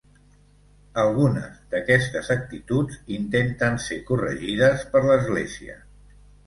Algunes d’aquestes actituds intenten ser corregides per l’església.